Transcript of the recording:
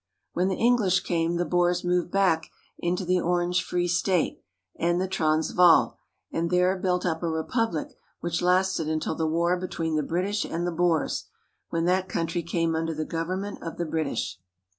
When the English came, the Boers moved back into the Orange Free State and the Transvaal, and there built up a republic which lasted until the war between the British and the Boers, when that country came under tl government of the British.